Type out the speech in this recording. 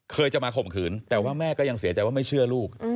จะมาข่มขืนแต่ว่าแม่ก็ยังเสียใจว่าไม่เชื่อลูก